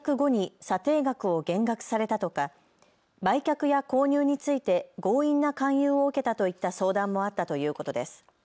また契約後に査定額を減額されたとか売却や購入について強引な勧誘を受けたといった相談もあったということです。